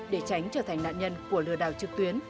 để tránh trở thành nạn nhân của lừa đảo trực tuyến